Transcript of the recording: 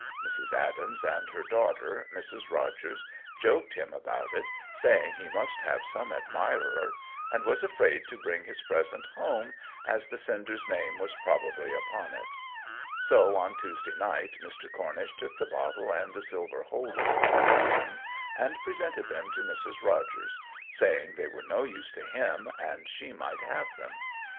Mrs. Adams and her daughter Mrs. Rogers joked him about it, saying he must have some admirer, and was afraid to bring his present home, as the sender's name was probably upon it. So on Tuesday night Mr. Cornish took the bottle and the silver holder home with him, and presented them to Mrs. Rogers, saying they were no use to him and she might have them.